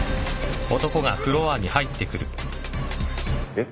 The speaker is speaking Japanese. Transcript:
えっ？